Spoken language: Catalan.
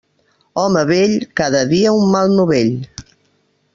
Home vell, cada dia un mal novell.